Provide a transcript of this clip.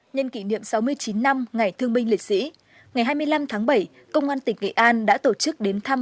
nhân kỷ niệm sáu mươi chín năm ngày thương binh liệt sĩ ngày hai mươi năm tháng bảy công an tỉnh nghệ an đã tổ chức đến thăm